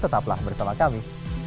tetaplah bersama kami